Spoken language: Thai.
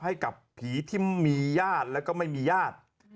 ให้กับผีที่มีญาติแล้วก็ไม่มีญาติ